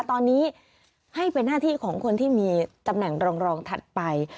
ตอนนี้ให้เป็นหน้าที่ของคนที่มีตำแหน่งรองถัดไป